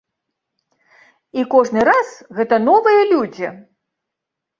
І кожны раз гэта новыя людзі!